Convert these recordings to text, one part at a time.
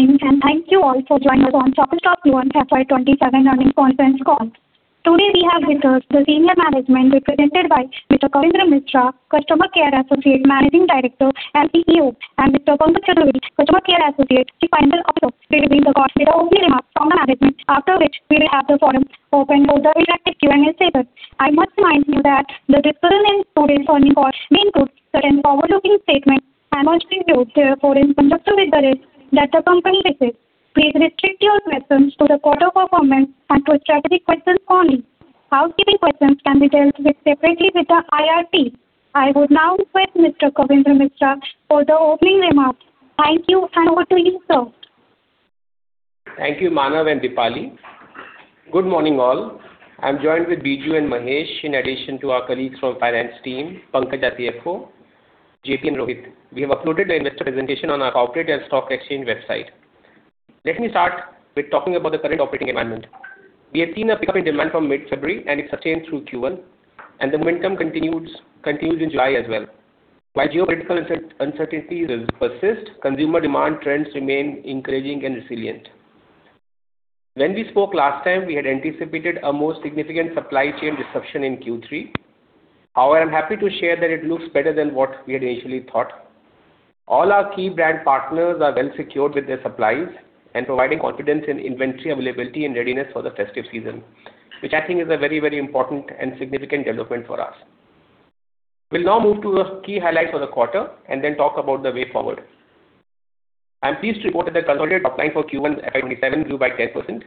Good morning. Thank you all for joining us on Shoppers Stop Q1 FY 2027 Earnings Conference Call. Today, we have with us the senior management represented by Mr. Kavindra Mishra, Managing Director and Chief Executive Officer; and Mr. Pankaj Suri, Chief Financial Officer. We begin the call with opening remarks from the management, after which we will have the forum open for the interactive Q&A session. I must remind you that the discussion in today's earnings call may include certain forward-looking statements and uncertainty, therefore, is subject to the risk that the company faces. Please restrict your questions to the quarter performance and to strategic questions only. Operating questions can be dealt with separately with the IR team. I would now request Mr. Kavindra Mishra for the opening remarks. Thank you, over to you, sir. Thank you, Manav and Deepali. Good morning, all. I'm joined with Biju and Mahesh, in addition to our colleagues from the finance team, Pankaj, our CFO, JP, and Rohit. We have uploaded the investor presentation on our corporate and stock exchange website. Talking about the current operating environment. We have seen a pickup in demand from mid-February. It sustained through Q1, the momentum continues in July as well. While geopolitical uncertainties persist, consumer demand trends remain encouraging and resilient. When we spoke last time, we had anticipated a more significant supply chain disruption in Q3. I'm happy to share that it looks better than what we had initially thought. All our key brand partners are well-secured with their supplies, providing confidence in inventory availability and readiness for the festive season, which I think is a very important and significant development for us. We will now move to the key highlights for the quarter and then talk about the way forward. I'm pleased to report that the consolidated top line for Q1 FY 2027 grew by 10%,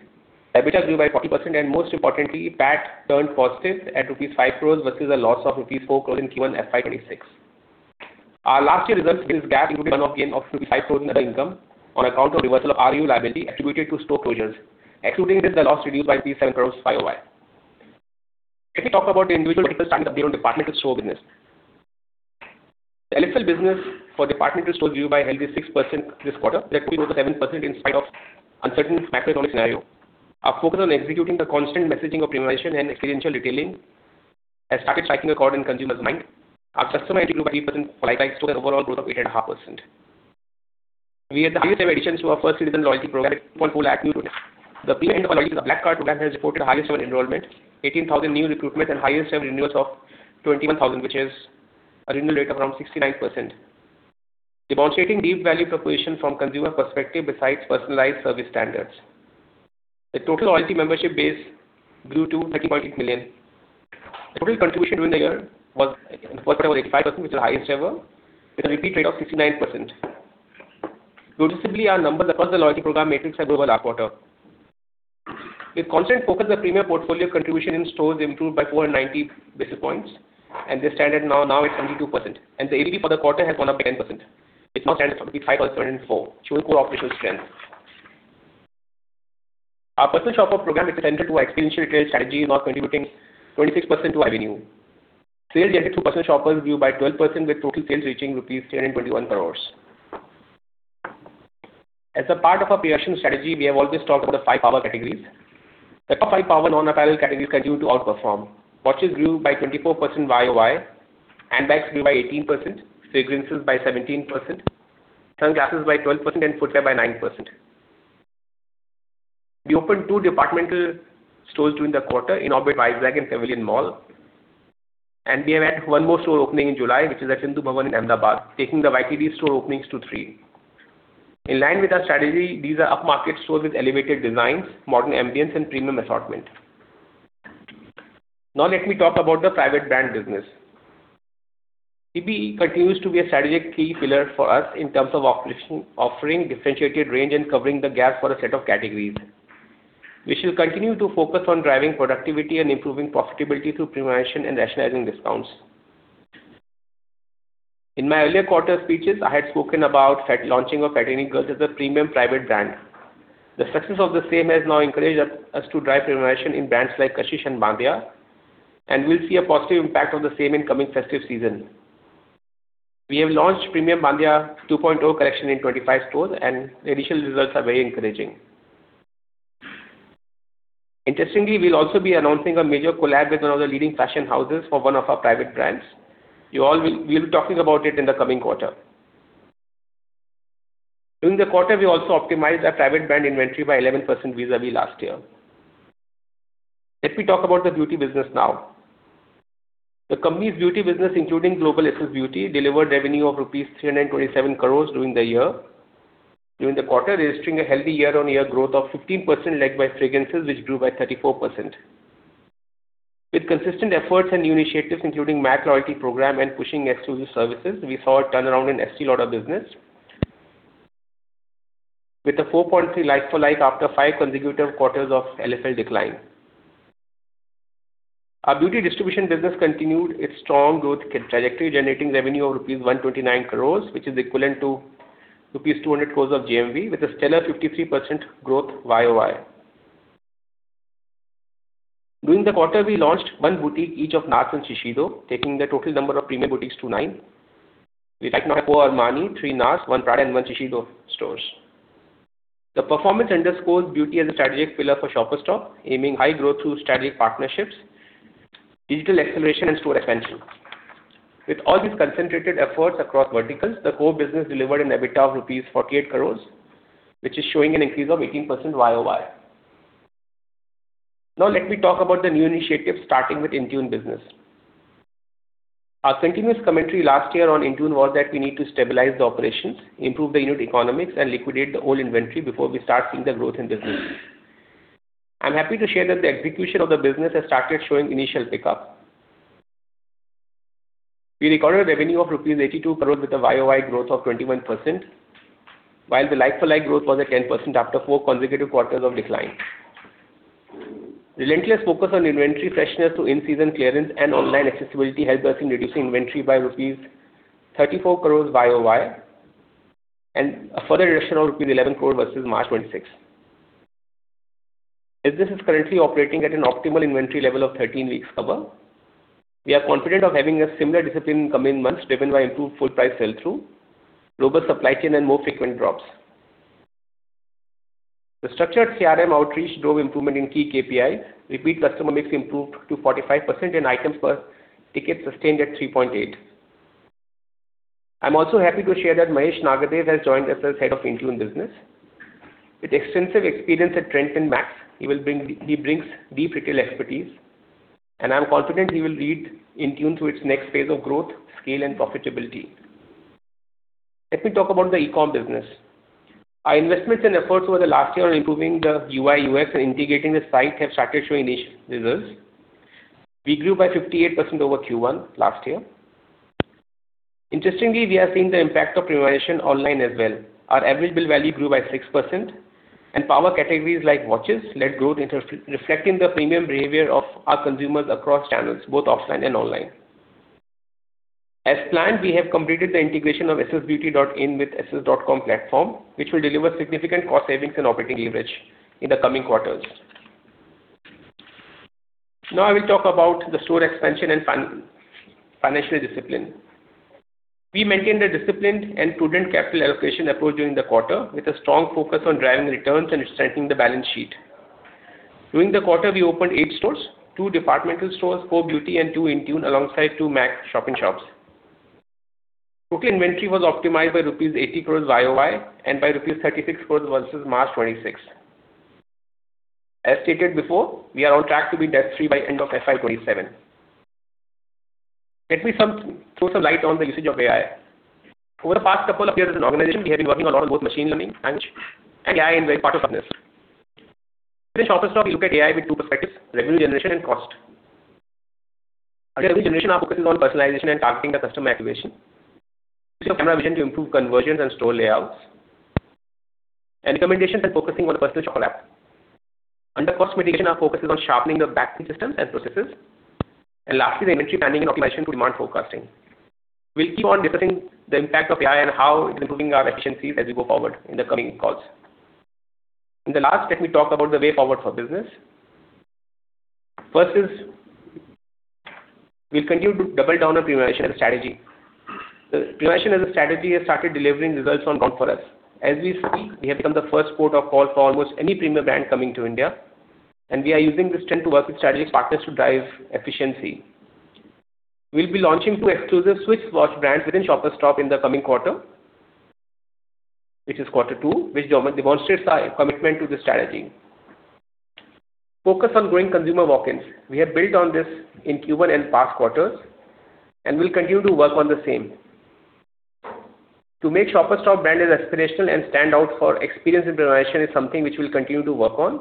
EBITDA grew by 40%, and most importantly, PAT turned positive at rupees 5 crore versus a loss of rupees 4 crore in Q1 FY 2026. Our last year results with GAAP included one-off gain of rupees 5 crore in other income on account of reversal of ROU liability attributed to store closures. Excluding this, the loss reduced by rupees 7 crore YoY. Individual vertical starting with the update on departmental store business. The LFL business for departmental stores grew by a healthy 6% this quarter, that grew over 7% in spite of uncertain macroeconomic scenario. Our focus on executing the constant messaging of premiumization and experiential retailing has started striking a chord in consumers' minds. Our customer additions grew by 8% like store overall growth of 8.5%. We had the highest ever additions to our First Citizen loyalty program, 1.4 lakh new members. The premium end of our loyalty, the Black Card program, has reported the highest-ever enrollment, 18,000 new recruitments and highest-ever renewals of 21,000, which is a renewal rate of around 69%, demonstrating deep value proposition from consumer perspective besides personalized service standards. The total loyalty membership base grew to 13.8 million. Total contribution in the first quarter was 85%, which is the highest ever, with a repeat rate of 69%. Noticeably, our numbers across the loyalty program matrix have grown last quarter. With constant focus on premium portfolio contribution in stores improved by 490 basis points, this stands now at 72%. The ATV for the quarter has gone up by 10%. It now stands at 524, showing core operational strength. Our Personal Shopper program is centered to experiential retail strategy, now contributing 26% to our revenue. Sales generated through Personal Shoppers grew by 12%, with total sales reaching rupees 321 crore. As a part of our premium strategy, we have always talked of the five power categories. The top five power non-apparel categories continue to outperform. Watches grew by 24% YoY, handbags grew by 18%, fragrances by 17%, sunglasses by 12%, and footwear by 9%. We opened two departmental stores during the quarter in Pavilion Mall, we have had one more store opening in July, which is at Sindhu Bhavan Road in Ahmedabad, taking the YTD store openings to three. In line with our strategy, these are upmarket stores with elevated designs, modern ambience, and premium assortment. Let me talk about the private brand business. PB continues to be a strategic key pillar for us in terms of offering differentiated range and covering the gap for a set of categories. We shall continue to focus on driving productivity and improving profitability through premiumization and rationalizing discounts. In my earlier quarter speeches, I had spoken about launching of [Fratini Girls] as a premium private brand. The success of the same has encouraged us to drive premiumization in brands like Kashish and Bandeya, we'll see a positive impact of the same in coming festive season. We have launched premium Bandeya 2.0 collection in 25 stores, the initial results are very encouraging. Interestingly, we'll also be announcing a major collab with one of the leading fashion houses for one of our private brands. We'll be talking about it in the coming quarter. During the quarter, we also optimized our private brand inventory by 11% vis-à-vis last year. Let me talk about the beauty business. The company's beauty business, including Global SS Beauty, delivered revenue of rupees 327 crore during the year, during the quarter, registering a healthy year-on-year growth of 15% led by fragrances, which grew by 34%. With consistent efforts and new initiatives, including MAC loyalty program and pushing exclusive services, we saw a turnaround in ELC business with a 4.3 like-for-like after five consecutive quarters of LFL decline. Our beauty distribution business continued its strong growth trajectory, generating revenue of rupees 129 crore, which is equivalent to rupees 200 crore of GMV with a stellar 53% growth YoY. During the quarter, we launched one boutique each of NARS and Shiseido, taking the total number of premium boutiques to nine. We right now have four Armani, three NARS, one Prada, and one Shiseido stores. The performance underscores beauty as a strategic pillar for Shoppers Stop, aiming high growth through strategic partnerships, digital acceleration, and store expansion. With all these concentrated efforts across verticals, the core business delivered an EBITDA of 48 crore rupees, which is showing an increase of 18% YoY. Now let me talk about the new initiatives starting with INTUNE business. Our continuous commentary last year on INTUNE was that we need to stabilize the operations, improve the unit economics, and liquidate the old inventory before we start seeing the growth in business. I am happy to share that the execution of the business has started showing initial pickup. We recorded revenue of INR 82 crore with a YoY growth of 21%, while the like-for-like growth was at 10% after four consecutive quarters of decline. Relentless focus on inventory freshness through in-season clearance and online accessibility helped us in reducing inventory by rupees 34 crore YoY, and a further reduction of rupees 11 crore versus March 2026. Business is currently operating at an optimal inventory level of 13 weeks cover. We are confident of having a similar discipline in coming months, driven by improved full price sell-through, global supply chain, and more frequent drops. The structured CRM outreach drove improvement in key KPI. Repeat customer mix improved to 45% and items per ticket sustained at 3.8. I am also happy to share that Mahesh Nagadeve has joined as the Head of INTUNE business. With extensive experience at Trent and Max, he brings deep retail expertise, and I am confident he will lead INTUNE to its next phase of growth, scale, and profitability. Let me talk about the e-com business. Our investments and efforts over the last year on improving the UI/UX and integrating the site have started showing initial results. We grew by 58% over Q1 last year. Interestingly, we are seeing the impact of premiumization online as well. Our average bill value grew by 6%, and power categories like watches led growth, reflecting the premium behavior of our consumers across channels, both offline and online. As planned, we have completed the integration of ssbeauty.in with ss.com platform, which will deliver significant cost savings and operating leverage in the coming quarters. Now I will talk about the store expansion and financial discipline. We maintained a disciplined and prudent capital allocation approach during the quarter, with a strong focus on driving returns and strengthening the balance sheet. During the quarter, we opened eight stores, two departmental stores, four beauty, and two INTUNE alongside two Max shop-in-shops. Book inventory was optimized by rupees 80 crore YoY and by rupees 36 crore versus March 2026. As stated before, we are on track to be debt-free by end of FY 2027. Let me throw some light on the usage of AI. Over the past couple of years as an organization, we have been working a lot on both machine learning and AI as part of our business. In Shoppers Stop we look at AI with two perspectives, revenue generation and cost. Under revenue generation, our focus is on personalization and targeting the customer activation. Use of camera vision to improve conversions and store layouts, and recommendations and focusing on personal shopper app. Under cost mitigation, our focus is on sharpening the back-end systems and processes, and lastly, the inventory planning and optimization through demand forecasting. We will keep on discussing the impact of AI and how it is improving our efficiencies as we go forward in the coming calls. The last, let me talk about the way forward for business. First is, we will continue to double down on premiumization strategy. The premiumization as a strategy has started delivering results on comm for us. As we speak, we have become the first port of call for almost any premium brand coming to India, and we are using this trend to work with strategic partners to drive efficiency. We'll be launching two exclusive Swiss watch brands within Shoppers Stop in the coming quarter, which is quarter two, which demonstrates our commitment to this strategy. Focus on growing consumer walk-ins. We have built on this in Q1 and past quarters, and we'll continue to work on the same. To make Shoppers Stop brand aspirational and stand out for experience and premiumization is something which we'll continue to work on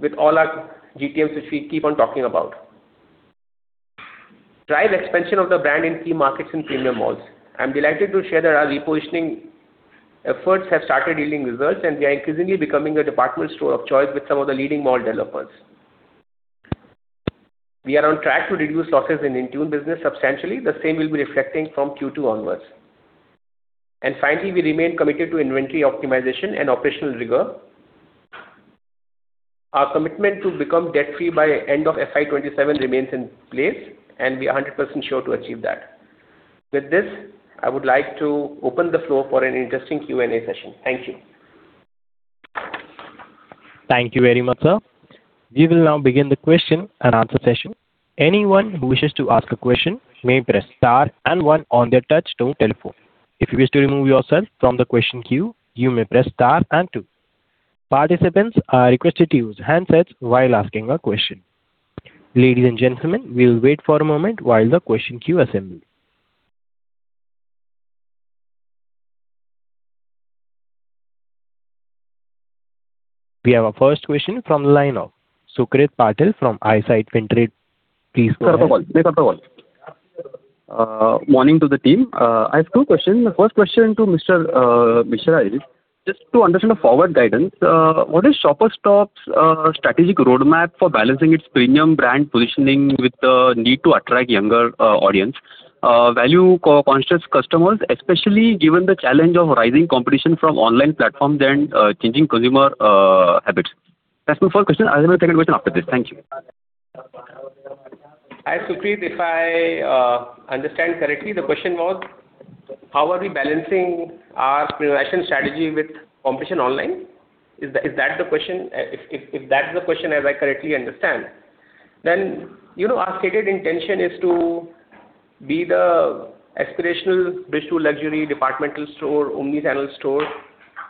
with all our GTMs, which we keep on talking about. Drive expansion of the brand in key markets and premium malls. I'm delighted to share that our repositioning efforts have started yielding results, and we are increasingly becoming a department store of choice with some of the leading mall developers. We are on track to reduce losses in INTUNE business substantially. The same will be reflecting from Q2 onwards. Finally, we remain committed to inventory optimization and operational rigor. Our commitment to become debt-free by end of FY 2027 remains in place, and we are 100% sure to achieve that. With this, I would like to open the floor for an interesting Q&A session. Thank you. Thank you very much, sir. We will now begin the question and answer session. Anyone who wishes to ask a question may press star and one on their touch-tone telephone. If you wish to remove yourself from the question queue, you may press star and two. Participants are requested to use handsets while asking a question. Ladies and gentlemen, we'll wait for a moment while the question queue assembles. We have our first question from the line of Sucrit Patil from Eyesight Fintrade. Please go ahead. [inaudible] Morning to the team. I have two questions. The first question to Mr. Mishra is, just to understand the forward guidance, what is Shoppers Stop's strategic roadmap for balancing its premium brand positioning with the need to attract younger audience, value-conscious customers, especially given the challenge of rising competition from online platforms and changing consumer habits? That's my first question. I'll have a second question after this. Thank you. Hi, Sucrit. If I understand correctly, the question was- how are we balancing our premiumization strategy with competition online? If that's the question as I correctly understand, our stated intention is to be the aspirational bridge-to-luxury departmental store, omnichannel store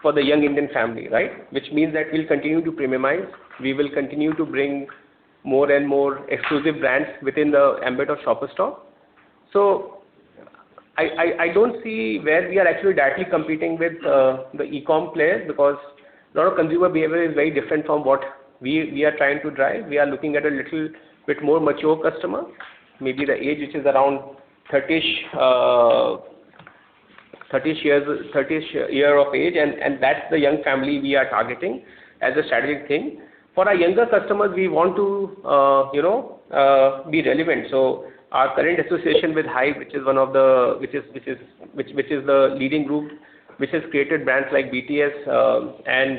for the young Indian family. We'll continue to premiumize. We will continue to bring more and more exclusive brands within the ambit of Shoppers Stop. I don't see where we are actually directly competing with the e-com players because a lot of consumer behavior is very different from what we are trying to drive. We are looking at a little bit more mature customer, maybe the age which is around 30-ish years of age, and that's the young family we are targeting as a strategic thing. For our younger customers, we want to be relevant. Our current association with HYBE, which is the leading group which has created brands like BTS and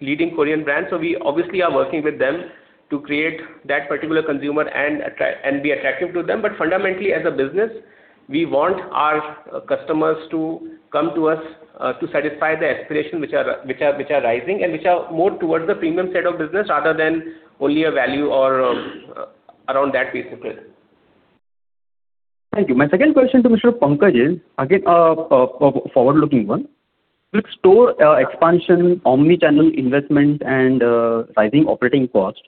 leading Korean brands. We obviously are working with them to create that particular consumer and be attractive to them. Fundamentally, as a business, we want our customers to come to us to satisfy the aspiration which are rising and which are more towards the premium side of business rather than only a value or around that piece of it. Thank you. My second question to Mr. Pankaj is again a forward-looking one. With store expansion, omnichannel investment, and rising operating costs,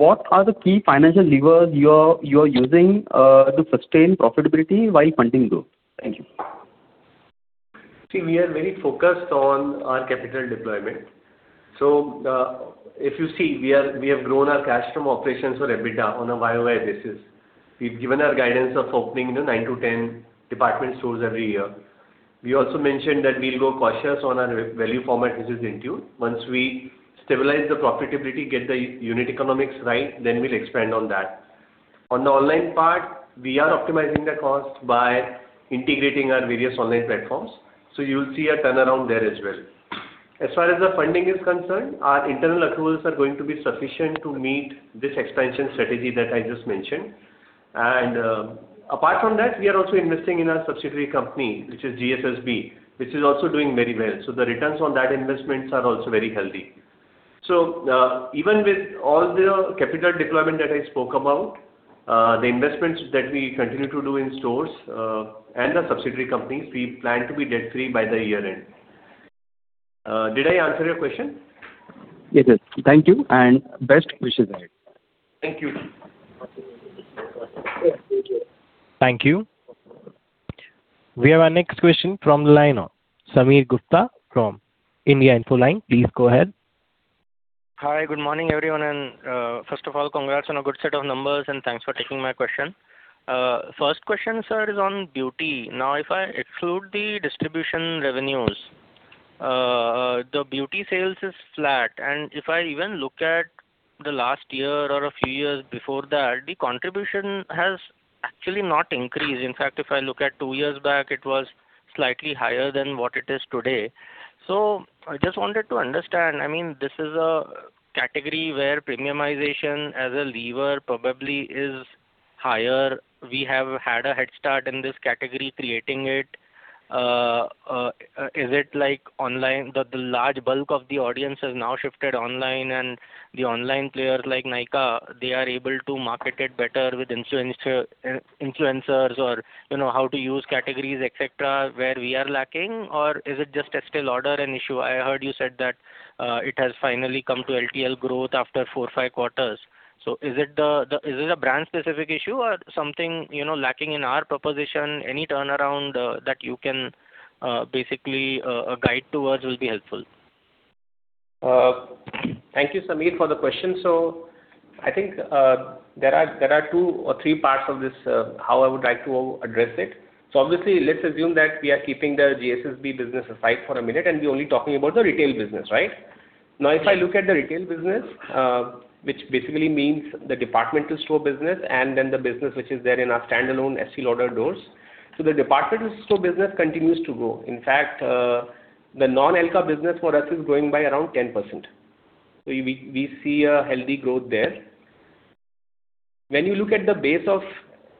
what are the key financial levers you're using to sustain profitability while funding growth? Thank you. We are very focused on our capital deployment. If you see, we have grown our cash from operations or EBITDA on a YoY basis. We've given our guidance of opening 9-10 department stores every year. We also mentioned that we'll go cautious on our value format, which is INTUNE. Once we stabilize the profitability, get the unit economics right, then we'll expand on that. On the online part, we are optimizing the cost by integrating our various online platforms. You'll see a turnaround there as well. As far as the funding is concerned, our internal accruals are going to be sufficient to meet this expansion strategy that I just mentioned. Apart from that, we are also investing in our subsidiary company, which is GSSBB, which is also doing very well. The returns on that investments are also very healthy. Even with all the capital deployment that I spoke about, the investments that we continue to do in stores and our subsidiary companies, we plan to be debt-free by the year-end. Did I answer your question? Yes, sir. Thank you and best wishes ahead. Thank you. Thank you. We have our next question from the line of Sameer Gupta from India Infoline. Please go ahead. Hi. Good morning, everyone. First of all, congrats on a good set of numbers and thanks for taking my question. First question, sir, is on Beauty. If I exclude the distribution revenues, the beauty sales is flat. If I even look at the last year or a few years before that, the contribution has actually not increased. In fact, if I look at two years back, it was slightly higher than what it is today. I just wanted to understand, this is a category where premiumization as a lever probably is higher. We have had a head start in this category, creating it. Is it like online, the large bulk of the audience has now shifted online and the online players like Nykaa, they are able to market it better with influencers or how to use categories, et cetera, where we are lacking? Is it just Estée Lauder an issue? I heard you said that it has finally come to LFL growth after four, five quarters. Is it a brand specific issue or something lacking in our proposition? Any turnaround that you can basically guide towards will be helpful. Thank you, Sameer, for the question. I think there are two or three parts of this how I would like to address it. Obviously let's assume that we are keeping the GSSBB business aside for a minute and we're only talking about the retail business. If I look at the retail business, which basically means the departmental store business and then the business which is there in our standalone Estée Lauder doors. The departmental store business continues to grow. In fact, the non-ELC business for us is growing by around 10%. We see a healthy growth there. When you look at the base of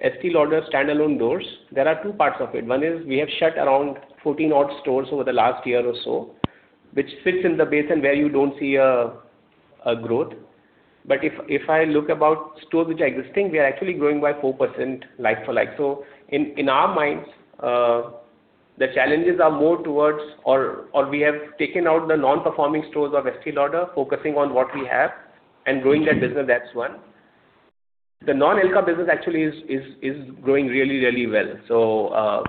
Estée Lauder standalone doors, there are two parts of it. One is we have shut around 14 odd stores over the last year or so, which fits in the base and where you don't see a growth. If I look about stores which are existing, we are actually growing by 4% LFL. In our minds, the challenges are more towards or we have taken out the non-performing stores of Estée Lauder focusing on what we have and growing that business. That's one. The non-ELC business actually is growing really well.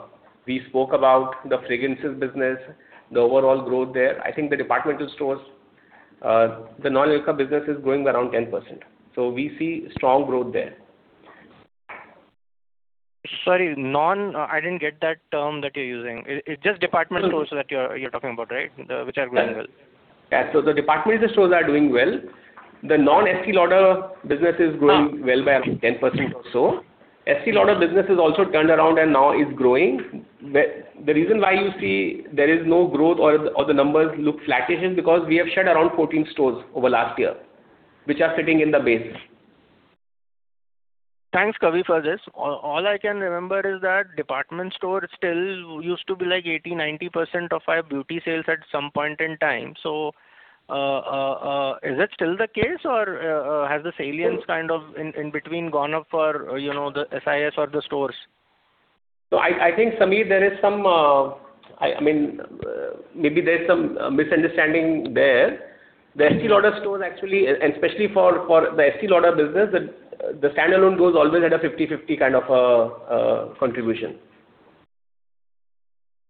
We spoke about the fragrances business, the overall growth there. I think the departmental stores, the non-ELC business is growing by around 10%. We see strong growth there. Sorry, I didn't get that term that you're using. It's just departmental stores that you're talking about, right? Which are growing well. Yeah. The departmental stores are doing well. The non-Estée Lauder business is growing well by 10% or so. Estée Lauder business has also turned around and now is growing. The reason why you see there is no growth or the numbers look flattish is because we have shut around 14 stores over last year which are sitting in the base. Thanks, Kavi, for this. All I can remember is that department store still used to be like 80%, 90% of our beauty sales at some point in time. Is it still the case or has the salience kind of in between gone up for the SIS or the stores? I think, Sameer, maybe there's some misunderstanding there. The Estée Lauder stores actually, and especially for the Estée Lauder business, the standalone doors always had a 50/50 kind of contribution.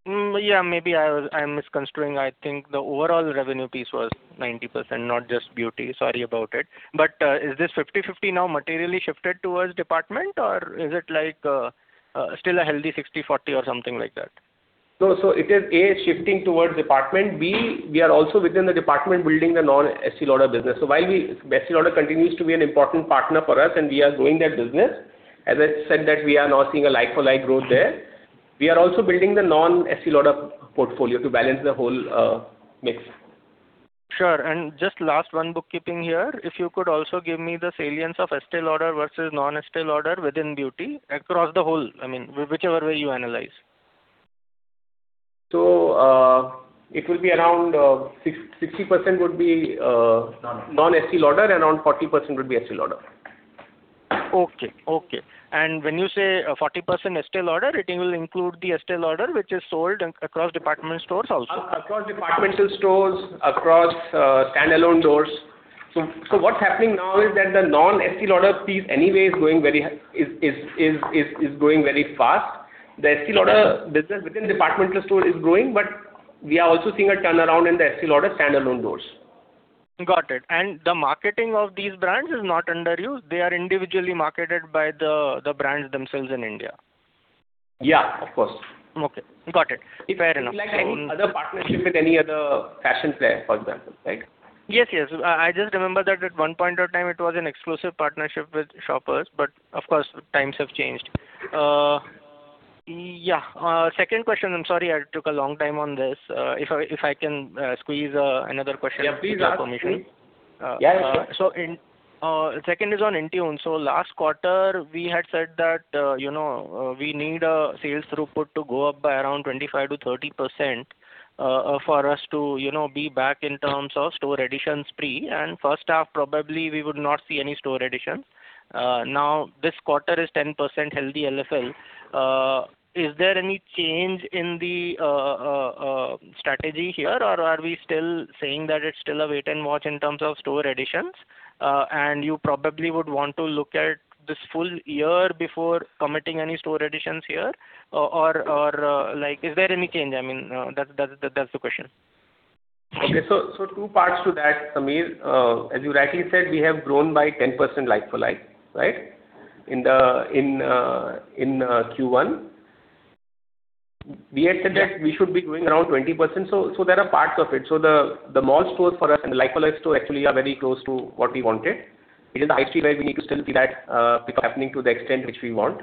Yeah. Maybe I'm misconstruing. I think the overall revenue piece was 90%, not just beauty. Sorry about it. Is this 50/50 now materially shifted towards department, or is it still a healthy 60/40 or something like that? It is, A, shifting towards department. B, we are also within the department building the non-Estée Lauder business. While Estée Lauder continues to be an important partner for us and we are growing that business, as I said that we are now seeing a like-for-like growth there, we are also building the non-Estée Lauder portfolio to balance the whole mix. Sure. Just last one bookkeeping here. If you could also give me the salience of Estée Lauder versus non-Estée Lauder within beauty across the whole, whichever way you analyze. It will be around 60% would be non-Estée Lauder and around 40% would be Estée Lauder. Okay. When you say 40% Estee Lauder, it will include the Estee Lauder which is sold across department stores also. Across departmental stores, across standalone stores. What's happening now is that the non-Estee Lauder piece anyway is growing very fast. The Estee Lauder business within departmental store is growing, we are also seeing a turnaround in the Estee Lauder standalone doors. Got it. The marketing of these brands is not under you, they are individually marketed by the brands themselves in India. Yeah, of course. Okay, got it. Fair enough. Like any other partnership with any other fashion player, for example. Yes. I just remember that at one point of time it was an exclusive partnership with Shoppers, but of course, times have changed. Yeah. Second question. I'm sorry I took a long time on this. If I can squeeze another question for information. Yeah, please ask. Second is on INTUNE. Last quarter we had said that we need a sales throughput to go up by around 25%-30% for us to be back in terms of store additions pre, and first half probably we would not see any store additions. This quarter is 10% healthy LFL. Is there any change in the strategy here, or are we still saying that it's still a wait and watch in terms of store additions, and you probably would want to look at this full year before committing any store additions here? Is there any change? That's the question. Okay. Two parts to that, Sameer. As you rightly said, we have grown by 10% like-for-like. In Q1 we had said that we should be growing around 20%. There are parts of it. The mall stores for us and the like-for-like store actually are very close to what we wanted. It is the high street where we need to still see that happening to the extent which we want.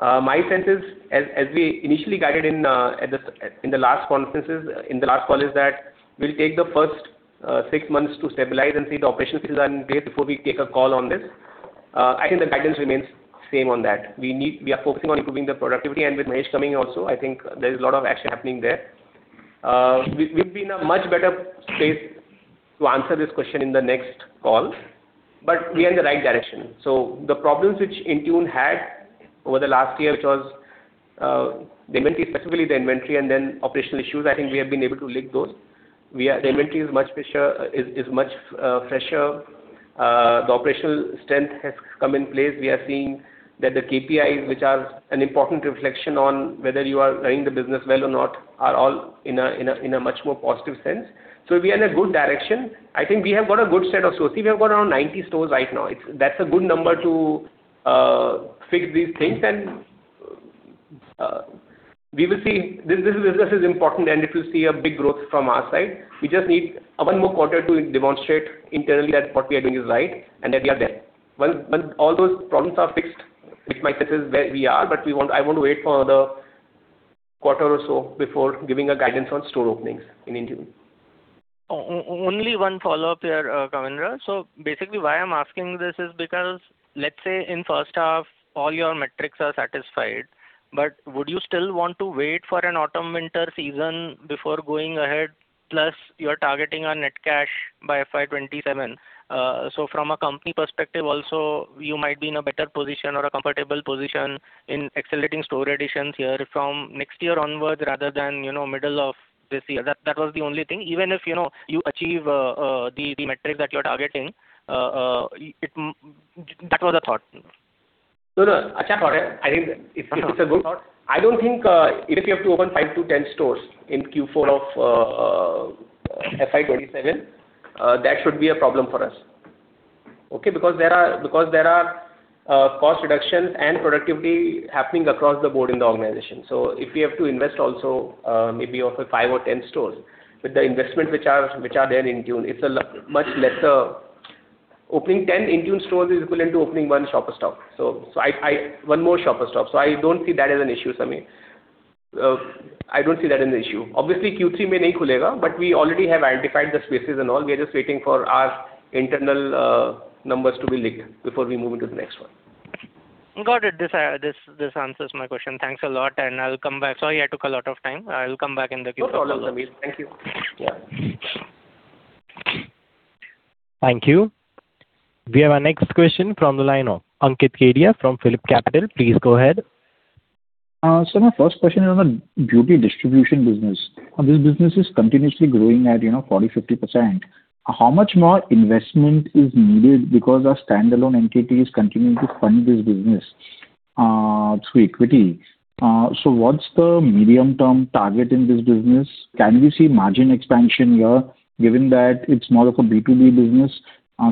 My sense is, as we initially guided in the last conferences, in the last call is that we'll take the first six months to stabilize and see the operations are in place before we take a call on this. I think the guidance remains same on that. We are focusing on improving the productivity, and with Mahesh coming also, I think there's a lot of action happening there. We'll be in a much better space to answer this question in the next call, but we are in the right direction. The problems which INTUNE had over the last year, which was specifically the inventory and then operational issues, I think we have been able to link those. The inventory is much fresher. The operational strength has come in place. We are seeing that the KPIs, which are an important reflection on whether you are running the business well or not, are all in a much more positive sense. We are in a good direction. I think we have got a good set of stores. See, we have got around 90 stores right now. That's a good number to fix these things, and we will see. This business is important and it will see a big growth from our side. We just need one more quarter to demonstrate internally that what we are doing is right, and that we are there. When all those problems are fixed, it might tell us where we are, but I want to wait for another quarter or so before giving a guidance on store openings in INTUNE. Only one follow-up here, Kavindra. Basically, why I'm asking this is because, let's say in first half, all your metrics are satisfied, but would you still want to wait for an autumn-winter season before going ahead? Plus you're targeting a net cash by FY 2027. From a company perspective also, you might be in a better position or a comfortable position in accelerating store additions here from next year onwards rather than middle of this year. That was the only thing. Even if you achieve the metrics that you're targeting, that was a thought. No, it's a good thought. I don't think even if we have to open 5-10 stores in Q4 of FY 2027, that should be a problem for us. There are cost reductions and productivity happening across the board in the organization. If we have to invest also maybe of a 5 or 10 stores, with the investment which are there in INTUNE, it's much lesser. Opening 10 INTUNE stores is equivalent to opening one Shoppers Stop. One more Shoppers Stop. I don't see that as an issue, Sameer. I don't see that as an issue. Obviously, Q3 may not open, we already have identified the spaces and all. We are just waiting for our internal numbers to be linked before we move into the next one. Got it. This answers my question. Thanks a lot, I'll come back. Sorry I took a lot of time. I'll come back in the Q&A. No problem, Sameer. Thank you. Yeah. Thank you. We have our next question from the line of Ankit Kedia from PhillipCapital. Please go ahead. Sir, my first question is on Beauty distribution business. This business is continuously growing at 40%, 50%. How much more investment is needed because our standalone entity is continuing to fund this business through equity. What's the medium-term target in this business? Can we see margin expansion here, given that it's more of a B2B business?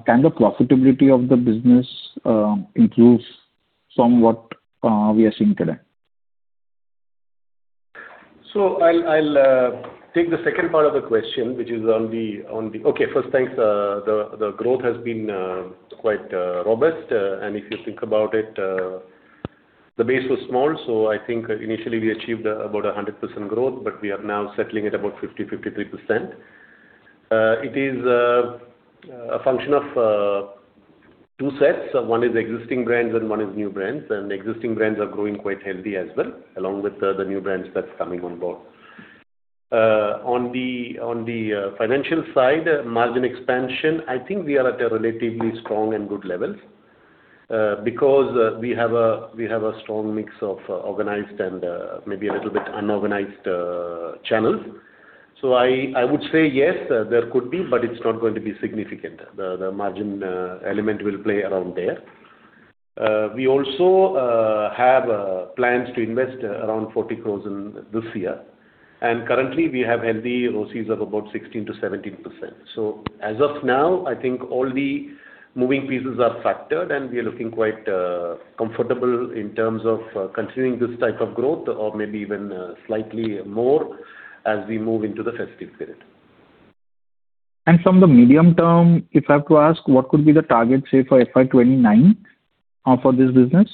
Can the profitability of the business improve from what we are seeing today? I'll take the second part of the question, which is on the, okay, first, thanks. The growth has been quite robust. If you think about it, the base was small, so I think initially we achieved about 100% growth, but we are now settling at about 50%, 53%. It is a function of two sets. One is existing brands, and one is new brands. Existing brands are growing quite healthy as well, along with the new brands that's coming on board. On the financial side, margin expansion, I think we are at a relatively strong and good level because we have a strong mix of organized and maybe a little bit unorganized channels. I would say yes, there could be, but it's not going to be significant. The margin element will play around there. We also have plans to invest around 40 crore in this year. Currently, we have healthy ROCEs of about 16%-17%. As of now, I think all the moving pieces are factored and we are looking quite comfortable in terms of continuing this type of growth or maybe even slightly more as we move into the festive period. From the medium term, if I have to ask, what could be the target, say, for FY 2029 for this business?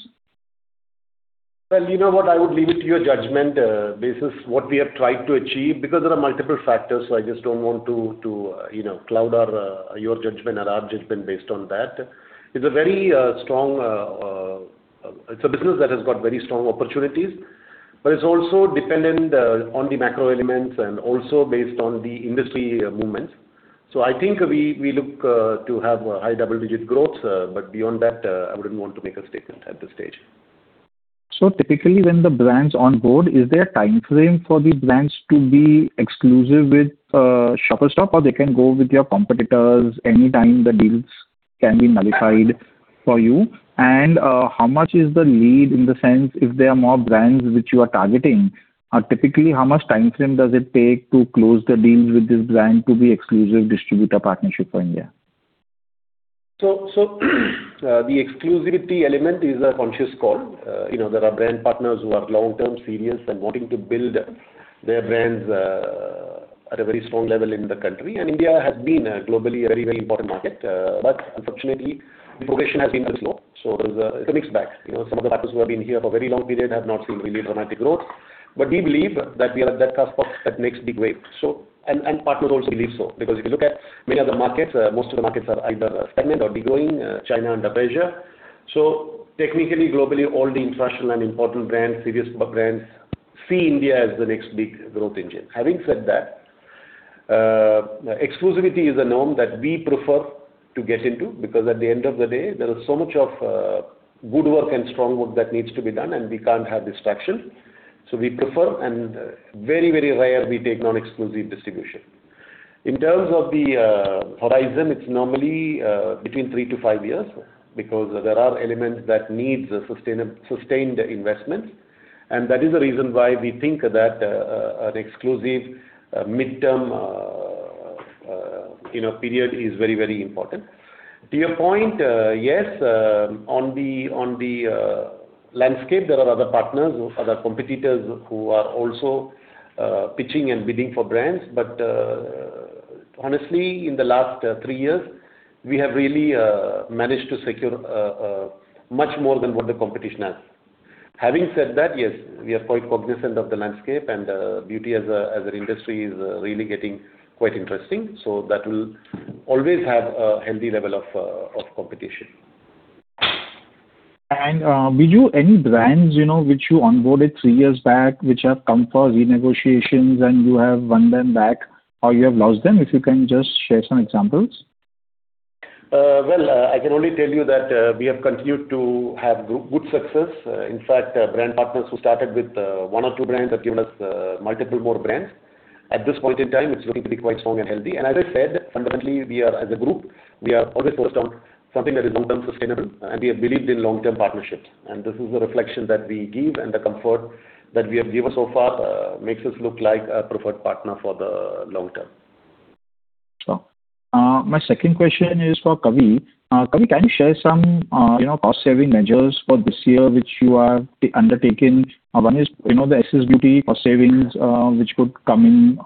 Well, you know what? I would leave it to your judgment basis what we have tried to achieve because there are multiple factors. I just don't want to cloud your judgment or our judgment based on that. It's a business that has got very strong opportunities. It's also dependent on the macro elements and also based on the industry movements. I think we look to have high double-digit growth, beyond that, I wouldn't want to make a statement at this stage. Typically, when the brands on board, is there a time frame for the brands to be exclusive with Shoppers Stop, or they can go with your competitors anytime the deals can be nullified for you? How much is the lead in the sense if there are more brands which you are targeting? Typically, how much time frame does it take to close the deals with this brand to be exclusive distributor partnership for India? The exclusivity element is a conscious call. There are brand partners who are long-term, serious, and wanting to build their brands at a very strong level in the country. India has been globally a very important market. Unfortunately, the progression has been too slow. It's a mixed bag. Some of the partners who have been here for a very long period have not seen really dramatic growth. We believe that we are that cusp that makes big waves, and partners also believe so, because if you look at many other markets, most of the markets are either stagnant or declining, China under pressure. Technically, globally, all the infrastructure and important brands, serious brands, see India as the next big growth engine. Having said that, exclusivity is a norm that we prefer to get into because at the end of the day, there is so much of good work and strong work that needs to be done, and we can't have distraction. We prefer, and very rare we take non-exclusive distribution. In terms of the horizon, it's normally between three to five years because there are elements that need sustained investments. That is the reason why we think that an exclusive midterm period is very important. To your point, yes, on the landscape, there are other partners or other competitors who are also pitching and bidding for brands. Honestly, in the last three years, we have really managed to secure much more than what the competition has. Having said that, yes, we are quite cognizant of the landscape, and Beauty as an industry is really getting quite interesting. That will always have a healthy level of competition. Did any brands which you onboarded three years back, which have come for renegotiations and you have won them back or you have lost them? If you can just share some examples. I can only tell you that we have continued to have good success. In fact, brand partners who started with one or two brands have given us multiple more brands. At this point in time, it's looking to be quite strong and healthy. As I said, fundamentally, we as a group, we are always focused on something that is long-term sustainable, and we have believed in long-term partnerships. This is the reflection that we give, and the comfort that we have given so far makes us look like a preferred partner for the long term. My second question is for Kavi. Kavi, can you share some cost-saving measures for this year which you have undertaken? One is the SS Beauty cost savings which could come in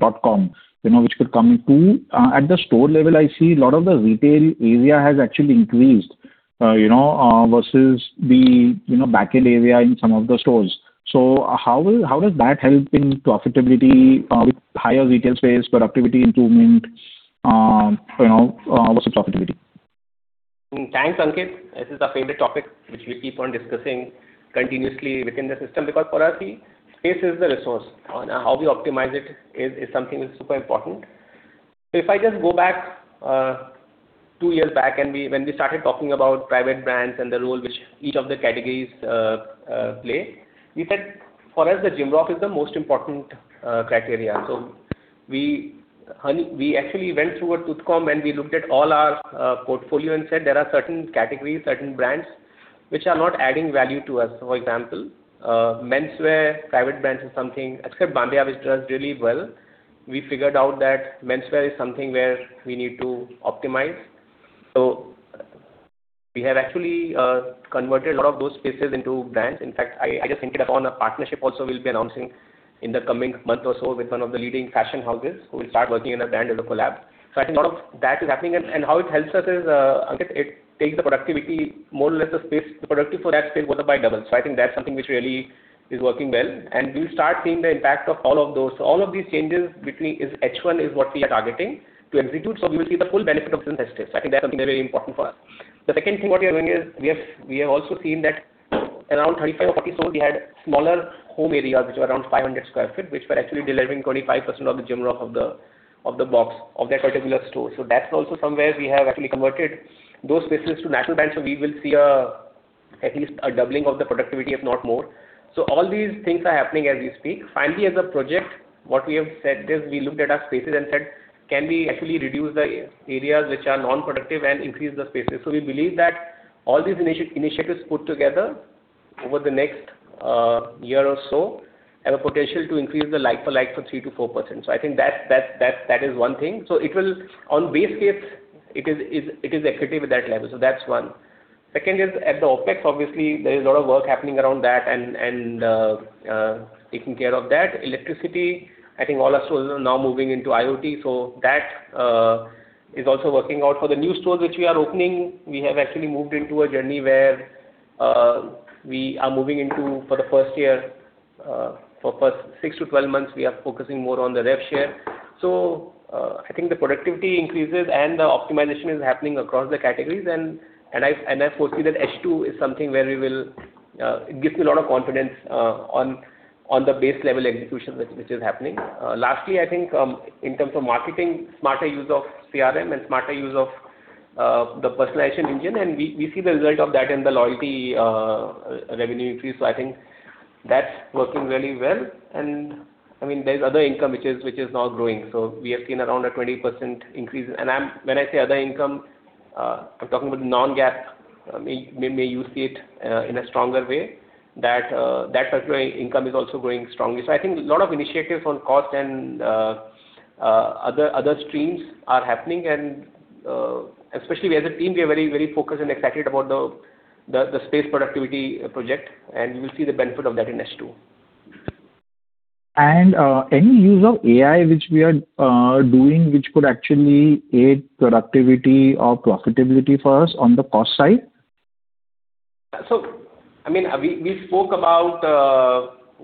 dotcom. At the store level, I see a lot of the retail area has actually increased versus the back-end area in some of the stores. How does that help in profitability with higher retail space productivity improvement? You know, what's the profitability? Thanks, Ankit. This is our favorite topic, which we keep on discussing continuously within the system because for us, space is the resource. How we optimize it is something which is super important. If I just go back two years back, and when we started talking about private brands and the role which each of the categories play, we said, for us, the GMROI is the most important criteria. We actually went through a tooth comb, and we looked at all our portfolio and said there are certain categories, certain brands, which are not adding value to us. For example, menswear, private brands is something, except Bandeya, which does really well. We figured out that menswear is something where we need to optimize. We have actually converted a lot of those spaces into brands. In fact, I just inked upon a partnership also we'll be announcing in the coming month or so with one of the leading fashion houses who will start working in a brand with a collab. I think a lot of that is happening, and how it helps us is, Ankit, it takes the productivity, more or less the space, the productivity for that space goes up by double. I think that's something which really is working well, and we'll start seeing the impact of all of those. All of these changes between is H1 is what we are targeting to execute. We will see the full benefit of them this festive. I think that's something very important for us. The second thing what we are doing is we have also seen that around 35 or 40 stores, we had smaller home areas, which were around 500 sq ft, which were actually delivering 25% of the GMROI of the box of that particular store. That's also somewhere we have actually converted those spaces to natural brands, so we will see at least a doubling of the productivity, if not more. All these things are happening as we speak. Finally, as a project, what we have said is we looked at our spaces and said, "Can we actually reduce the areas which are non-productive and increase the spaces?" We believe that all these initiatives put together over the next year or so have a potential to increase the like-for-like for 3%-4%. I think that is one thing. It will, on base case, it is equity with that level. That's one. Second is at the OpEx, obviously, there is a lot of work happening around that and taking care of that. Electricity, I think all our stores are now moving into IoT, that is also working out. For the new stores which we are opening, we have actually moved into a journey where we are moving into, for the first year, for first 6-12 months, we are focusing more on the rev share. I think the productivity increases and the optimization is happening across the categories, and I foresee that H2 is something where we will. It gives me a lot of confidence on the base level execution, which is happening. Lastly, I think in terms of marketing, smarter use of CRM and smarter use of the personalization engine, and we see the result of that in the loyalty revenue increase. I think that's working really well. There's other income which is now growing. We have seen around a 20% increase. And when I say other income, I'm talking about non-GAAP. May you see it in a stronger way, that particular income is also growing strongly. I think a lot of initiatives on cost and other streams are happening, and especially as a team, we are very, very focused and excited about the space productivity project, and we will see the benefit of that in H2. Any use of AI which we are doing, which could actually aid productivity or profitability for us on the cost side?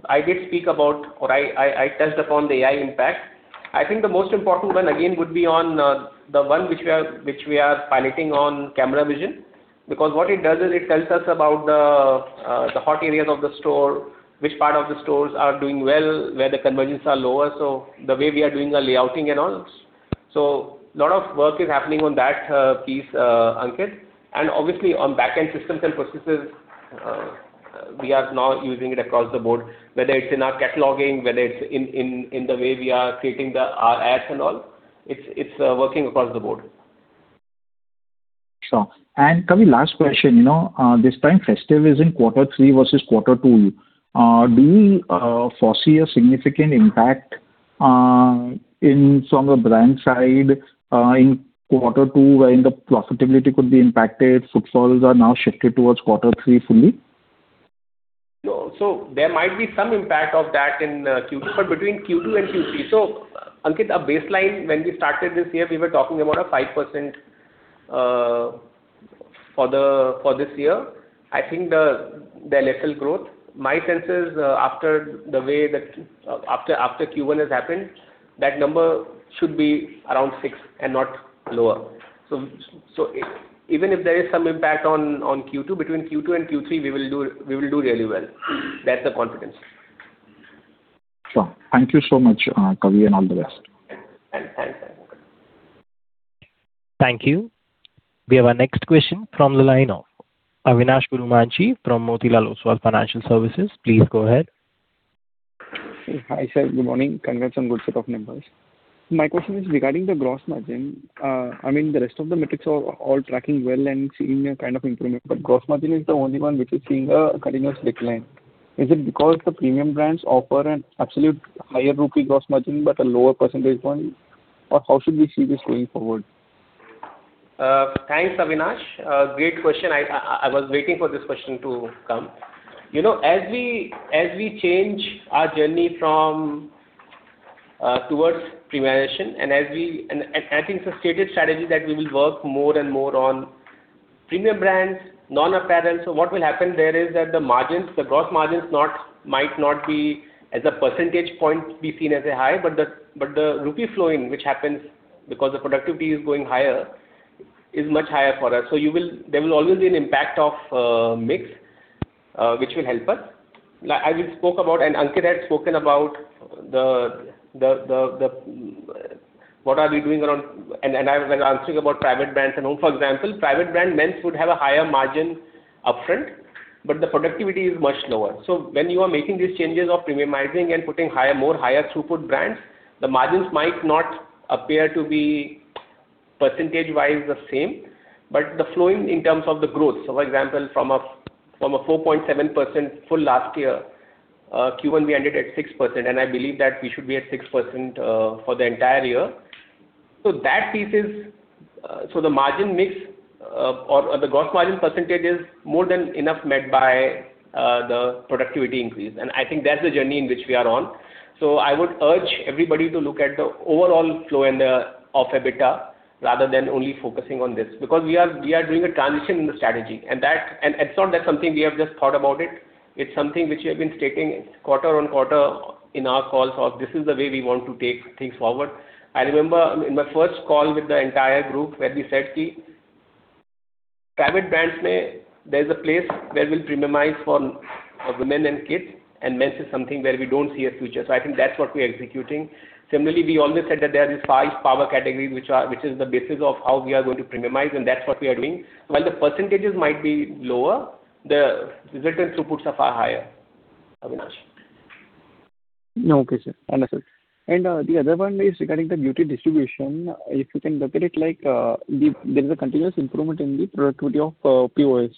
I did speak about, or I touched upon the AI impact. I think the most important one again would be on the one which we are piloting on camera vision. What it does is it tells us about the hot areas of the store, which part of the stores are doing well, where the conversions are lower. The way we are doing our layouting and all. A lot of work is happening on that piece, Ankit. Obviously on backend systems and processes, we are now using it across the board, whether it's in our cataloging, whether it's in the way we are creating our ads and all. It's working across the board. Sure. Kavi, last question. This time festive is in quarter three versus quarter two. Do you foresee a significant impact from the brand side in quarter two, wherein the profitability could be impacted, footfalls are now shifted towards quarter three fully? There might be some impact of that in Q2, but between Q2 and Q3. Ankit, our baseline, when we started this year, we were talking about a 5% for this year. I think there are lesser growth. My sense is after Q1 has happened, that number should be around six and not lower. Even if there is some impact on Q2, between Q2 and Q3, we will do really well. That's the confidence. Sure. Thank you so much, Kavi, all the best. Thanks, Ankit. Thank you. We have our next question from the line of Avinash Karumanchi from Motilal Oswal Financial Services. Please go ahead. Hi, sir. Good morning. Congrats on good set of numbers. My question is regarding the gross margin. The rest of the metrics are all tracking well and seeing a kind of improvement, but gross margin is the only one which is seeing a continuous decline. Is it because the premium brands offer an absolute higher rupee gross margin but a lower percentage point? Or how should we see this going forward? Thanks, Avinash. Great question. I was waiting for this question to come. As we change our journey towards premiumization, I think it's a stated strategy that we will work more and more on premium brands, non-apparel. What will happen there is that the gross margins might not, as a percentage point, be seen as high, but the rupee flowing, which happens because the productivity is going higher, is much higher for us. There will always be an impact of mix which will help us. As we spoke about, Ankit had spoken about what are we doing around I was answering about private brands and all. For example, private brand men's would have a higher margin upfront, but the productivity is much lower. When you are making these changes of premiumizing and putting more higher throughput brands, the margins might not appear to be percentage-wise the same, but the flowing in terms of the growth. For example, from a 4.7% full last year, Q1 we ended at 6%, and I believe that we should be at 6% for the entire year. The margin mix or the gross margin percentage is more than enough met by the productivity increase, and I think that's the journey in which we are on. I would urge everybody to look at the overall flow of EBITDA rather than only focusing on this, because we are doing a transition in the strategy. It's not that something we have just thought about it's something which we have been stating quarter-on-quarter in our calls of this is the way we want to take things forward. I remember in my first call with the entire group where we said, private brands, there's a place where we'll premiumize for women and kids, and men's is something where we don't see a future. I think that's what we are executing. We always said that there are these five power categories which is the basis of how we are going to premiumize, and that's what we are doing. While the percentages might be lower, the resultant throughputs are far higher. Avinash. Okay, sir. Understood. The other one is regarding the Beauty distribution. If you can look at it like there is a continuous improvement in the productivity of POS.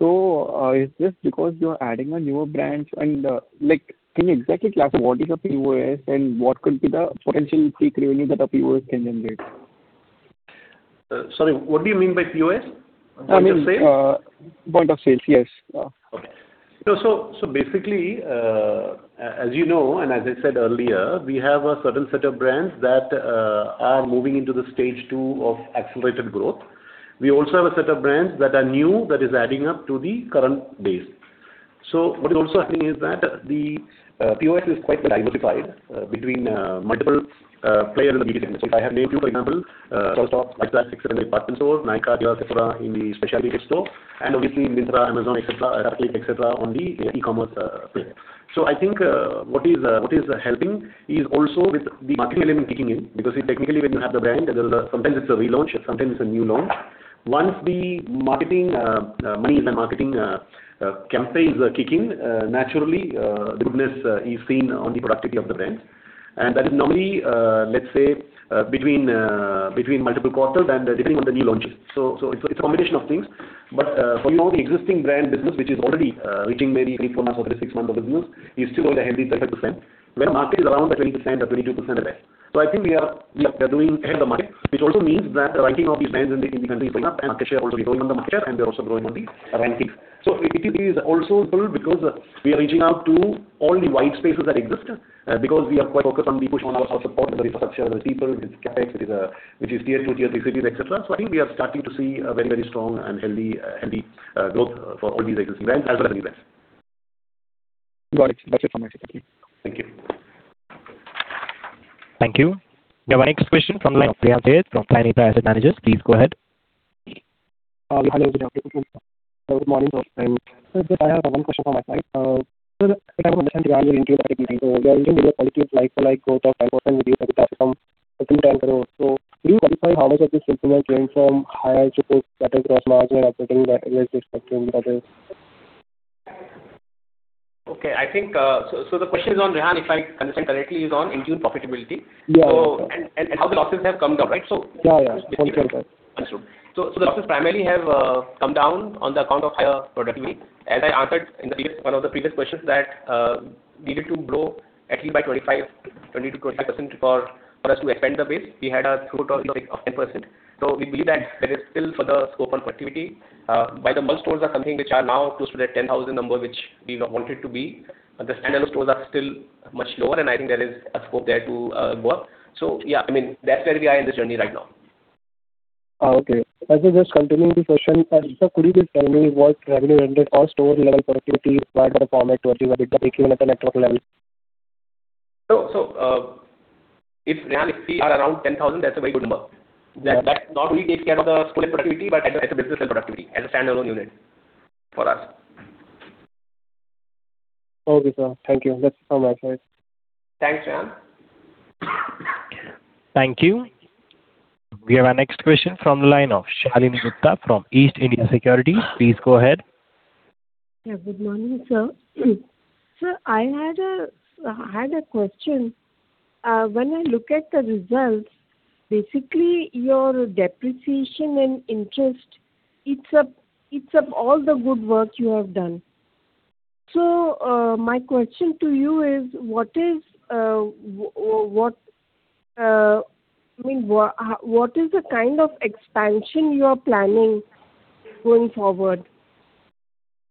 Is this because you're adding newer brands? Can you exactly tell us what is a POS and what could be the potential peak revenue that a POS can generate? Sorry, what do you mean by POS? Point of sale? Point of sales, yes. Basically, as you know, and as I said earlier, we have a certain set of brands that are moving into the stage 2 of accelerated growth. We also have a set of brands that are new, that is adding up to the current base. What is also happening is that the POS is quite well diversified between multiple players in the beauty industry. I have named you, for example, Shoppers Stop, Lifestyle, etcetera, department stores, Nykaa, Dior, Sephora in the specialty store, and obviously Myntra, Amazon, Rakuten, etcetera, on the e-commerce play. I think what is helping is also with the marketing element kicking in, because technically, when you have the brand, sometimes it's a relaunch and sometimes it's a new launch. Once the money in the marketing campaign is kicking in, naturally the goodness is seen on the productivity of the brand. That is normally, let's say, between multiple quarters and depending on the new launches. It's a combination of things. For now, the existing brand business, which is already reaching maybe three, four months or three, six months of business, is still at a healthy 30%, where market is around 20% or 22% or less. I think we are doing ahead of the market, which also means that the writing of these brands in the country is going up, and market share also is growing on the market share, and they're also growing on the rankings. It is also pulled because we are reaching out to all the white spaces that exist, because we are quite focused on the push on our source of support, whether it is for [Saksha], whether it is people, it is CapEx, it is Tier 2, Tier 3 cities, etcetera. I think we are starting to see a very strong and healthy growth for all these existing brands as well as new brands. Got it. That's it from my side. Thank you. Thank you. Thank you. We have our next question from the line of [inaudible] from [inaudible] Asset Managers. Please go ahead. [Rehan] here. Good morning first. Sir, just I have one question from my side. Sir, at the time of mentioned, you are into profitability. You are looking to do a qualitative like-for-like growth of 5% would be a good outcome for future growth. Could you qualify how much of this improvement came from higher throughput, that is gross margin or putting the right mix spectrum, that is Okay. The question, [Rehan], if I understand correctly, is on INTUNE profitability. Yeah. How the losses have come down, right? Yeah. Completely. Understood. The losses primarily have come down on the account of higher productivity. As I answered in one of the previous questions that we need it to grow at least by 20%-25% for us to expand the base. We had a throughput of 10%. We believe that there is still further scope on productivity. By the way, stores are something which are now close to that 10,000 number, which we wanted to be. The standalone stores are still much lower, and I think there is a scope there to work. Yeah, that's where we are in this journey right now. Okay. As we're just continuing the session, sir, could you just tell me what revenue run rate or store level productivity, whatever format, whatever it is, breaking even at a network level? If we are around 10,000, that's a very good number. That not only takes care of the store level productivity, but as a business level productivity as a standalone unit for us. Okay, sir. Thank you. That's all my side. Thanks, [Rehan]. Thank you. We have our next question from the line of Shalini Gupta from East India Securities. Please go ahead. Yeah, good morning, sir. Sir, I had a question. When I look at the results, basically, your depreciation and interest eats up all the good work you have done. My question to you is, what is the kind of expansion you are planning going forward?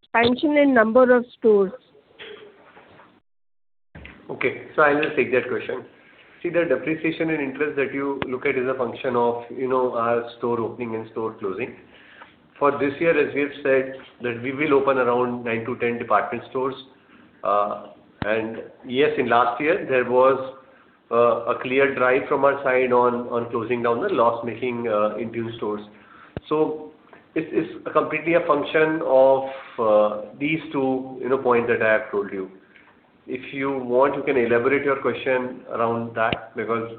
Expansion in number of stores Okay. I'll just take that question. The depreciation and interest that you look at is a function of our store opening and store closing. For this year, as we have said that we will open around 9-10 department stores. Yes, in last year there was a clear drive from our side on closing down the loss-making INTUNE stores. It is completely a function of these two points that I have told you. If you want, you can elaborate your question around that because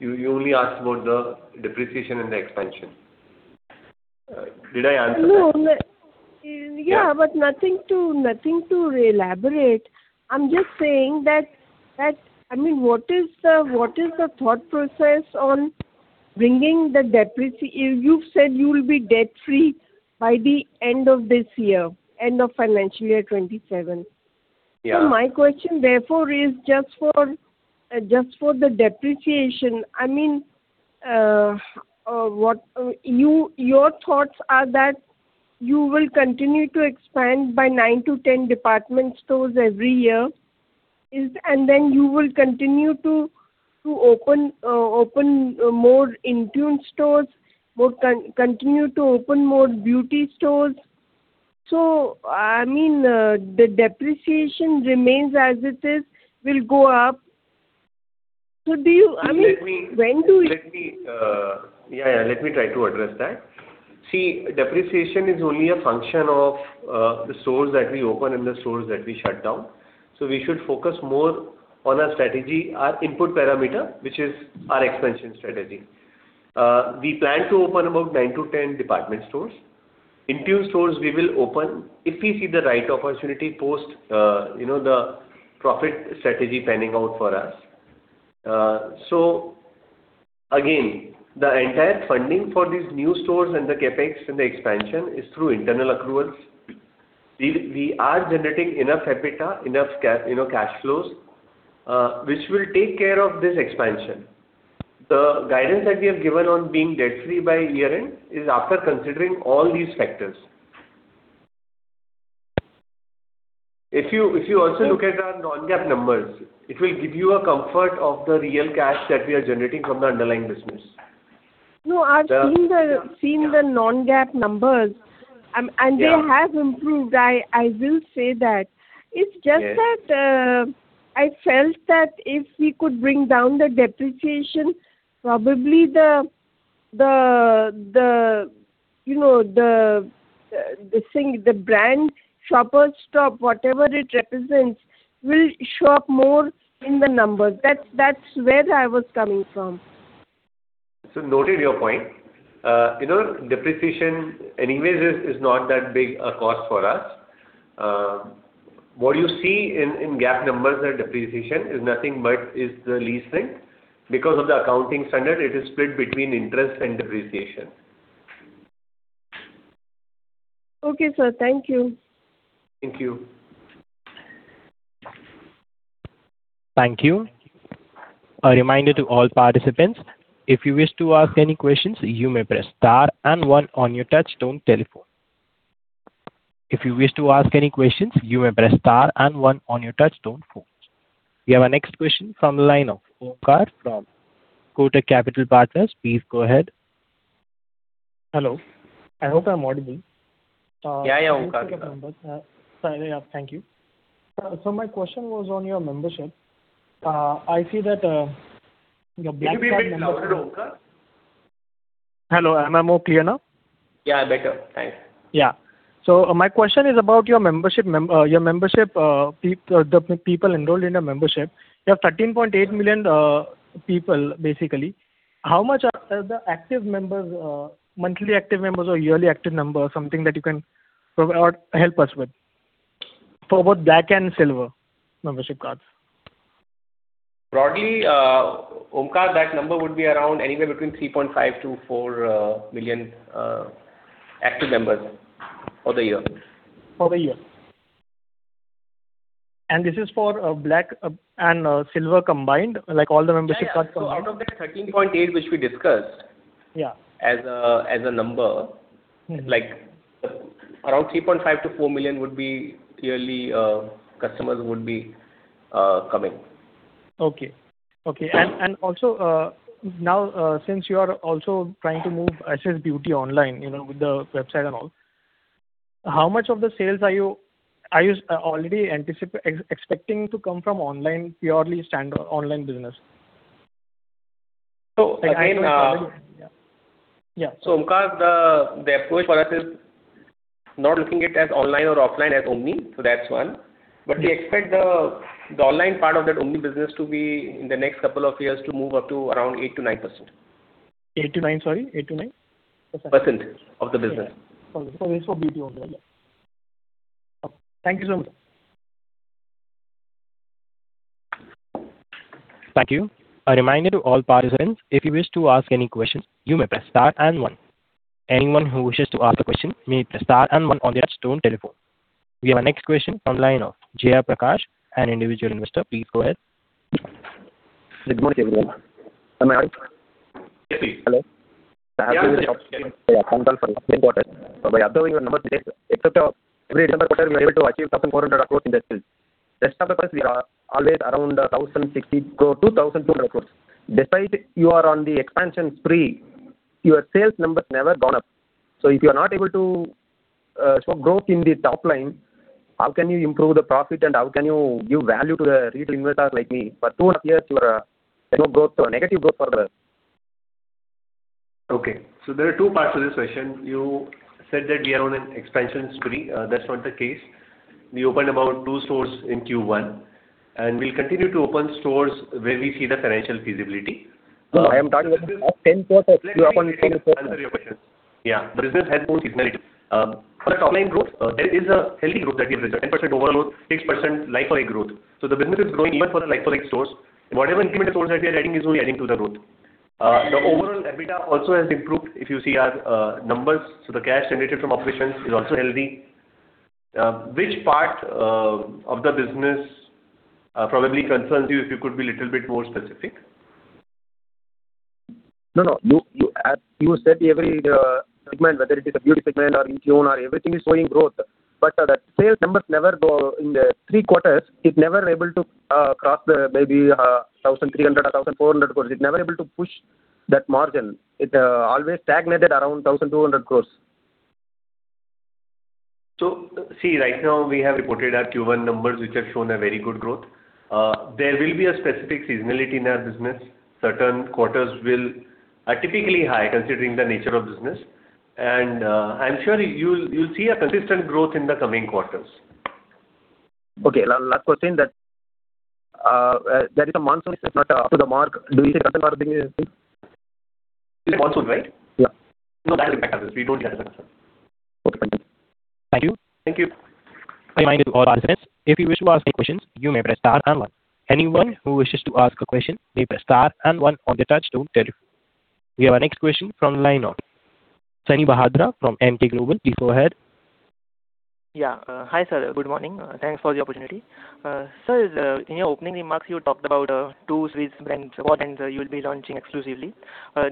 you only asked about the depreciation and the expansion. Did I answer that? No. Yeah. Yeah, nothing to elaborate. I'm just saying that, what is the thought process on bringing the? You've said you will be debt-free by the end of this year, end of financial year 2027. Yeah. My question therefore is just for the depreciation. Your thoughts are that you will continue to expand by 9-10 department stores every year. You will continue to open more INTUNE stores, continue to open more beauty stores. The depreciation remains as it is, will go up. Do you? Let me. When do you? Yeah. Let me try to address that. Depreciation is only a function of the stores that we open and the stores that we shut down. We should focus more on our strategy, our input parameter, which is our expansion strategy. We plan to open about 9-10 department stores. INTUNE stores we will open if we see the right opportunity post the profit strategy panning out for us. Again, the entire funding for these new stores and the CapEx and the expansion is through internal accruals. We are generating enough EBITDA, enough cash flows, which will take care of this expansion. The guidance that we have given on being debt-free by year-end is after considering all these factors. If you also look at our non-GAAP numbers, it will give you a comfort of the real cash that we are generating from the underlying business. No, I've seen the non-GAAP numbers. Yeah. They have improved, I will say that. It's just that I felt that if we could bring down the depreciation, probably the brand Shoppers Stop, whatever it represents, will show up more in the numbers. That's where I was coming from. Noted your point. Depreciation anyway is not that big a cost for us. What you see in GAAP numbers as depreciation is nothing but is the leasing. Because of the accounting standard, it is split between interest and depreciation. Okay, sir. Thank you. Thank you. Thank you. A reminder to all participants, if you wish to ask any questions, you may press star and one on your touch-tone telephone. If you wish to ask any questions, you may press star and one on your touch-tone phones. We have our next question from the line of Omkar from Kotak Capital Partners. Please go ahead. Hello. I hope I'm audible. Yeah, Omkar. Sorry. Thank you. My question was on your membership. I see that your Black Card membership- You can be a bit louder, Omkar. Hello, am I more clear now? Yeah, better. Thanks. Yeah. My question is about the people enrolled in your membership. You have 13.8 million people, basically. How much are the monthly active members or yearly active members? Something that you can help us with for both Black and Silver membership cards. Broadly, Omkar, that number would be around anywhere between 3.5 to four million active members for the year. For the year. This is for Black and Silver combined, like all the membership cards combined? Yeah. Out of that 13.8 million which we discussed. Yeah as a number, around 3.5 million-4 million would be yearly customers would be coming. Okay. Also, now since you are also trying to move SS Beauty online, with the website and all, how much of the sales are you already expecting to come from online, purely standard online business? Omkar, the approach for us is not looking it as online or offline as omni, that's one. We expect the online part of that omni business to be in the next couple of years to move up to around 8%-9%. 8%-9%, sorry. 8%-9%? Percent of the business. Okay. It's for beauty only. Thank you so much. Thank you. A reminder to all participants, if you wish to ask any questions, you may press Star and one. Anyone who wishes to ask a question may press Star and one on their touch-tone telephone. We have our next question from the line of J.R. Prakash, an Individual Investor. Please go ahead. Good morning, everyone. Am I on? Yes, please. Hello. Yeah. quarters. By observing your numbers, except every December quarter, we are able to achieve 1,400 crore in net sales. Rest of the quarters, we are always around 1,060 crore-1,200 crore. Despite you are on the expansion spree, your sales numbers never gone up. If you are not able to show growth in the top line, how can you improve the profit and how can you give value to the retail investors like me? For two and a half years, you are zero growth or negative growth for the Okay. There are two parts to this question. You said that we are on an expansion spree. That's not the case. We opened about two stores in Q1, and we'll continue to open stores where we see the financial feasibility. No, I am talking about- Let me answer your question. The business has both seasonality. For the top-line growth, there is a healthy growth that we have, 10% overall growth, 6% like-for-like growth. The business is growing even for the like-for-like stores. Whatever incremental stores that we are adding is only adding to the growth. The overall EBITDA also has improved if you see our numbers. The cash generated from operations is also healthy. Which part of the business probably concerns you, if you could be a little bit more specific? As you said, every segment, whether it is a Beauty segment or INTUNE, everything is showing growth. The sales numbers never go in the three quarters, it never able to cross maybe 1,300 crore or 1,400 crore. It never able to push that margin. It always stagnated around 1,200 crore. See, right now we have reported our Q1 numbers, which have shown a very good growth. There will be a specific seasonality in our business. Certain quarters are typically high considering the nature of business. I'm sure you'll see a consistent growth in the coming quarters. Okay. Last question that, there is a monsoon which is not up to the mark. Do you think that will have any impact? You say monsoon, right? Yeah. No, that will impact us. We don't get affected. Okay. Thank you. Thank you. If you wish to ask any questions, you may press star and one. Anyone who wishes to ask a question, may press star and one on their touch-tone telephone. We have our next question from the line of Sunny Bhadra from Emkay Global. Please go ahead. Yeah. Hi, sir. Good morning. Thanks for the opportunity. Sir, in your opening remarks, you talked about two Swiss brands, what brands you will be launching exclusively.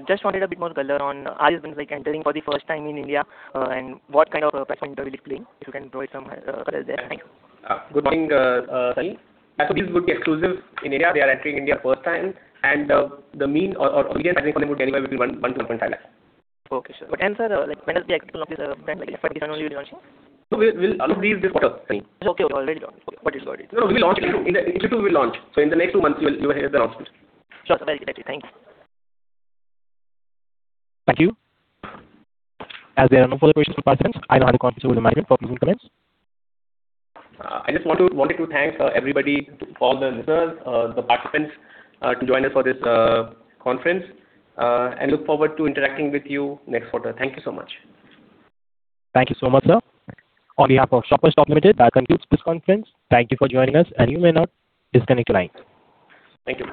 Just wanted a bit more color on how these brands are entering for the first time in India, and what kind of price point they will be playing, if you can throw some color there. Thanks. Good morning, Sunny. As I told you, these would be exclusive in India. They are entering India first time, and the mean or average pricing point would anywhere between 1 lakh-1.5 lakh. Okay, sure. When, sir, when does the actual launch of these brands that you said finally you'll be launching? We'll announce these this quarter, Sunny. Okay. Already launched. Okay, got it. We'll launch it in Q2. In Q2, we'll launch. In the next two months, you will hear the announcements. Sure, sir. Thank you. Thank you. As there are no further questions from participants, I now hand the conference over to management for closing comments. I just wanted to thank everybody, all the investors, the participants who joined us for this conference. Look forward to interacting with you next quarter. Thank you so much. Thank you so much, sir. On behalf of Shoppers Stop Limited, that concludes this conference. Thank you for joining us. You may now disconnect your line. Thank you.